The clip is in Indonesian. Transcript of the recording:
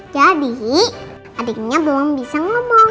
jadi adiknya belum bisa ngomong